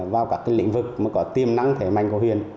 vào các lĩnh vực có tiềm năng thể mạnh của huyền